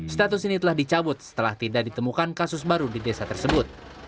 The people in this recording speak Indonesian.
status ini telah dicabut setelah tidak ditemukan kasus baru di desa tersebut